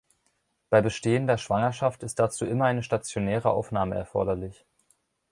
Bei bestehender Schwangerschaft ist dazu immer einer stationäre Aufnahme erforderlich.